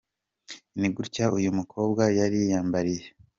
Ni gutya uyu mukobwa yari yiyambariye.